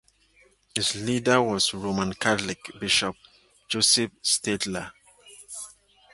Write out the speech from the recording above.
Its leader was Roman Catholic bishop Josip Stadler.